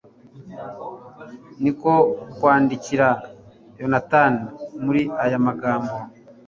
ni ko kwandikira yonatani muri aya magambo